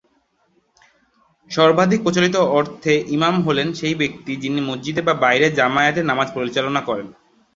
সর্বাধিক প্রচলিত অর্থে ইমাম হলেন সেই ব্যক্তি যিনি মসজিদে বা বাইরে জামায়াতে নামাজ পরিচালনা করেন।